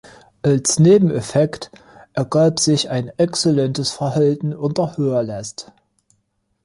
Als Nebeneffekt ergab sich exzellentes Verhalten unter hoher Last.